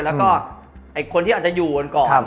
และก็คนที่อาจจะอยู่อ่อนกอบ